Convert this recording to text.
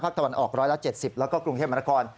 ภาคตะวันออกร้อยละ๗๐แล้วก็กรุงเทพมันกร